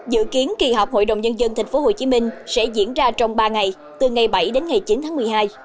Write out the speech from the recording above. dự kiến kỳ họp hội đồng nhân dân tp hcm sẽ diễn ra trong ba ngày từ ngày bảy đến ngày chín tháng một mươi hai